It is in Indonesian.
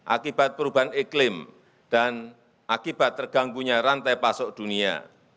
akibat perubahan iklim dan akibat terganggunya rantai pasok dunia